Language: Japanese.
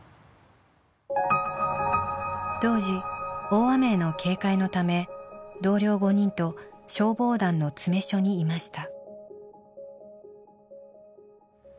当時大雨への警戒のため同僚５人と消防団の詰め所にいました。